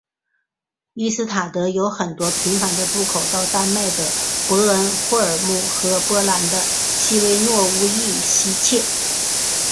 于斯塔德有很多频繁的渡口到丹麦的博恩霍尔姆和波兰的希维诺乌伊希切。